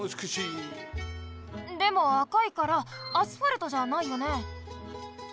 でも赤いからアスファルトじゃないよね？